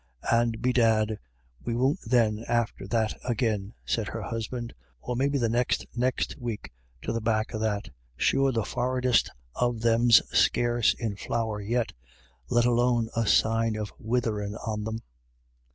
u And bedad we won't then, after that agin* said her husband, " or maybe the next next week to the back o' that Sure the forrardest of them's scarce in flower yet, let alone a sign of witherin' on them."